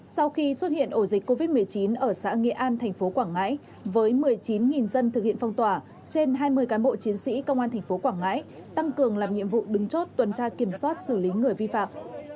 sau khi xuất hiện ổ dịch covid một mươi chín ở xã nghĩa an thành phố quảng ngãi với một mươi chín dân thực hiện phong tỏa trên hai mươi cán bộ chiến sĩ công an tp quảng ngãi tăng cường làm nhiệm vụ đứng chốt tuần tra kiểm soát xử lý người vi phạm